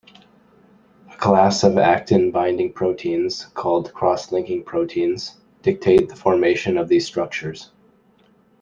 A class of actin-binding proteins, called cross-linking proteins, dictate the formation of these structures.